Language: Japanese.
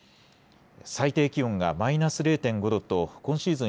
最低気温がマイナス０．５度と今シーズン